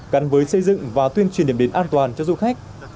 gắn với xây dựng và tuyên truyền điểm đến an toàn cho du khách